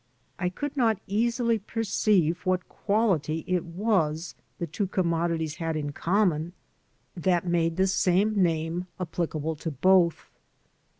I could not easily perceive what quality it was the two commodities had in common that THE AMERICAN AS HE IS made the same name applicable to both.